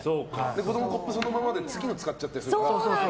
子供はコップそのままで次の使ったりするから。